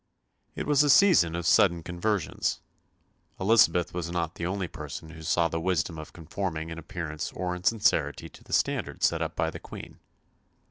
It was a season of sudden conversions. Elizabeth was not the only person who saw the wisdom of conforming in appearance or in sincerity to the standard set up by the Queen.